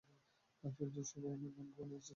শুনছেন সবাই, আমি গাম্বো বানিয়েছি!